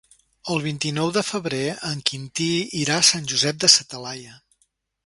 El vint-i-nou de febrer en Quintí irà a Sant Josep de sa Talaia.